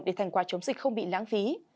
để thành quả chống dịch không bị lãng phí